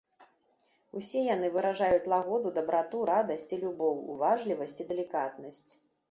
Усе яны выражаюць лагоду, дабрату, радасць і любоў, уважлівасць і далікатнасць.